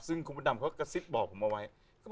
ซึ่งคุณพระดำเขากระซิบบอกผมเอาไว้